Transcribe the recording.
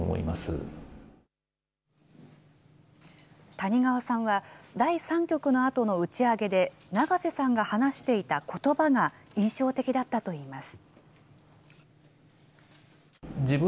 谷川さんは、第３局のあとの打ち上げで、永瀬さんが話していたことばが印象的だったといいます。